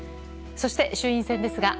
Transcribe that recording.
そして衆院選ですが「＃